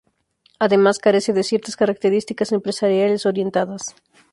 Además carece de ciertas características empresariales orientadas.